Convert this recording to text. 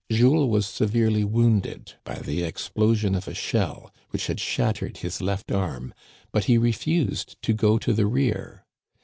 Jules was severely wounded by the ex plosion of a shell, which had shattered his left arm, but he refused to go to the rear.